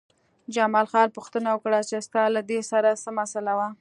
جمال خان پوښتنه وکړه چې ستا له دې سره څه مسئله وه